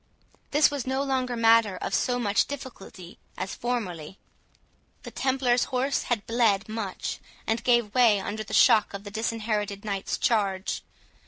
This was no longer matter of so much difficulty as formerly. The Templars horse had bled much, and gave way under the shock of the Disinherited Knight's charge.